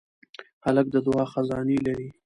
هلک د دعا خزانې لري.